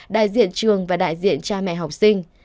đại diện trường và đại diện cha mẹ học sinh